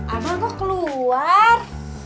abang kok keluar